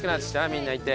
みんないて。